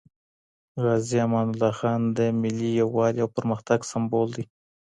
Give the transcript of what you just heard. غازي امان الله خان د ملي یووالي او پرمختګ سمبول دی.